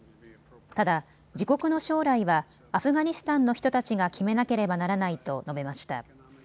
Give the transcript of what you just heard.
ただ、自国の将来はアフガニスタンの人たちが決めなければならないと述べました。